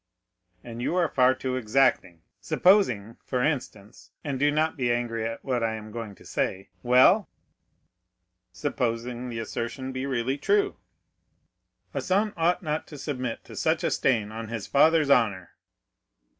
"And you are far too exacting. Supposing, for instance, and do not be angry at what I am going to say——" "Well." "Supposing the assertion to be really true?" "A son ought not to submit to such a stain on his father's honor."